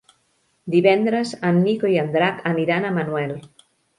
Divendres en Nico i en Drac aniran a Manuel.